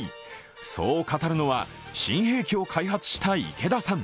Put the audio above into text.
そう語るのは、新兵器を開発した池田さん。